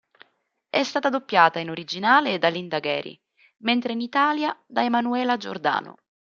È stata doppiata in originale da Linda Gary, mentre in Italia da Emanuela Giordano.